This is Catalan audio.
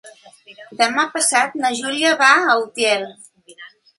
Demà passat na Júlia va a Utiel.